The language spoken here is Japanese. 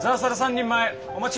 人前お待ち！